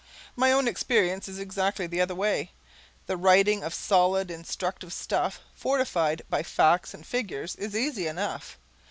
My own experience is exactly the other way. The writing of solid, instructive stuff fortified by facts and figures is easy enough.